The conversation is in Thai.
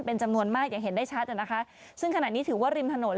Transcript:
เป็นจำนวนมากอย่างเห็นได้ชัดอ่ะนะคะซึ่งขณะนี้ถือว่าริมถนน